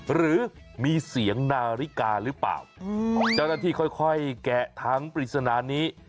หรือมีเสียงนาฬิกาหรือเปล่าเจ้าหน้าที่ค่อยแกะถังปริศนานี้